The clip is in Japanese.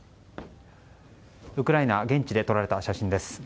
ウクライナ、現地で撮られた写真です。